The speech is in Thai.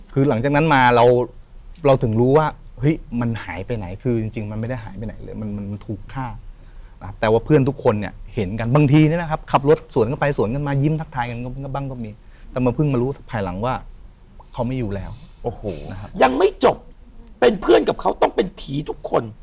เขาไม่อยู่แล้วโอ้โหนะครับยังไม่จบเป็นเพื่อนกับเขาต้องเป็นผีทุกคน